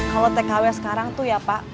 kalau tkw sekarang tuh ya pak